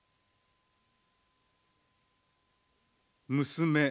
娘